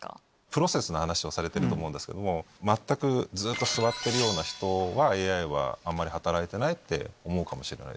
プロセスの話をされてると思うんですけども全くずっと座ってるような人はＡＩはあんまり働いてないって思うかもしれないです。